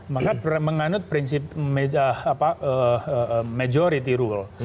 maka menganut prinsip majority rule